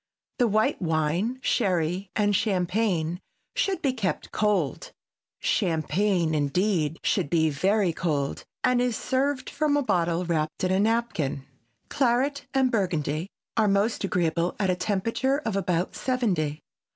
The white wine, sherry and champagne should be kept cold; champagne, indeed, should be very cold and is served from a bottle wrapped in a napkin. Claret and Burgundy are most agreeable at a temperature of about seventy.